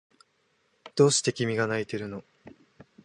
どうして君が泣いているの？